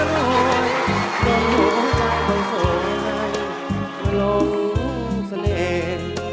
จนห่วงจนผ่านส่วนใหญ่ลงเสน่ห์